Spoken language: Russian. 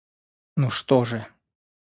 Ну что же?